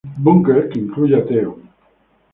Bungle que incluye a Theo.